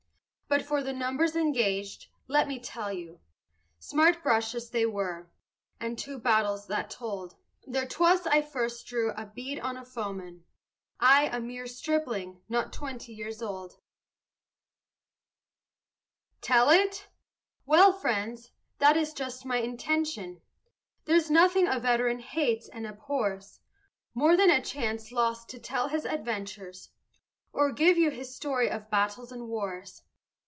But for the numbers engaged, let me tell you, Smart brushes they were, and two battles that told; There 'twas I first drew a bead on a foeman I, a mere stripling, not twenty years old. Tell it? Well, friends, that is just my intention; There's nothing a veteran hates and abhors More than a chance lost to tell his adventures, Or give you his story of battles and wars.